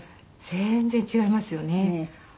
全然違いますよね。